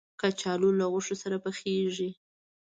کچالو له غوښې سره پخېږي